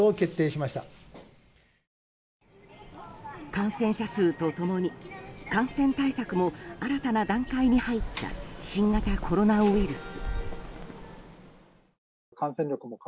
感染者数と共に感染対策も新たな段階に入った新型コロナウイルス。